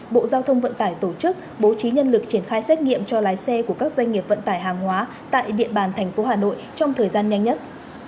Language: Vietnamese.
bộ giao thông vận tải tổ chức bố trí nhân lực triển khai xét nghiệm cho lái xe của các doanh nghiệp vận tải hàng hóa tại địa bàn thành phố hà nội trong thời gian nhanh nhất